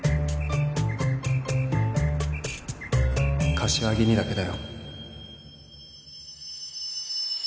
柏木にだけだよ